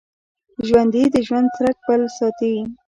ژوندي د ژوند څرک بل ساتي